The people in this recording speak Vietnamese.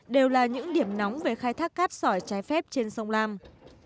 đều là những điểm nóng về khai thác cát sỏi trái phép trên sông lam